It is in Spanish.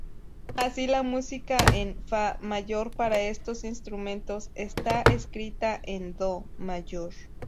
Así, la música en "fa" mayor para estos instrumentos está escrita en "do" mayor.